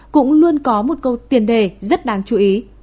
cũng luôn có một câu tiền đề rất đáng chú ý